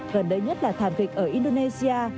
gần đây nhất là thảm kịch ở indonesia